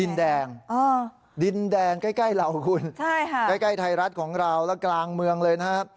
ดินแดงดินแดงใกล้เราคุณใช่ค่ะใกล้ใกล้ไทยรัฐของเราแล้วกลางเมืองเลยนะครับ